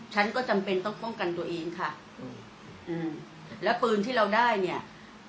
ฉันก็จำเป็นต้องป้องกันตัวเองค่ะอืมอืมแล้วปืนที่เราได้เนี่ย